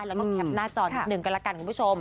แล้วก็แคปหน้าจอนิดนึงกันละกันคุณผู้ชม